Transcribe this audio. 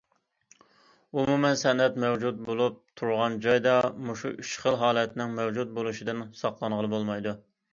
ئومۇمەن سەنئەت مەۋجۇت بولۇپ تۇرغان جايدا، مۇشۇ ئۈچ خىل ھالەتنىڭ مەۋجۇت بولۇشىدىن ساقلانغىلى بولمايدۇ.